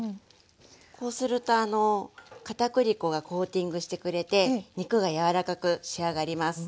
こうすると片栗粉がコーティングしてくれて肉が柔らかく仕上がります。